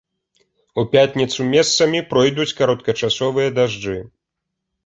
У пятніцу месцамі пройдуць кароткачасовыя дажджы.